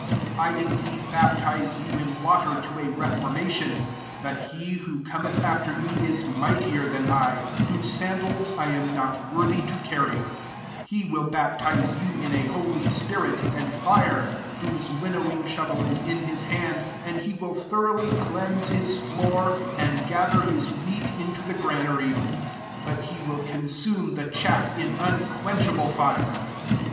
11 I indeed baptize you in water to a reformation: but he who Cometh after me is mightier than I, whose sandals I am not wor thy to carry : he will baptize you in a holy spitit, [and'^fire :"] 12 whose winno wing shovel ia in his hand, and he will tho roughly cleanse his floor, and gather [his") wheat into the gra nary ; but he will consume the chaff in unquenchable fire.'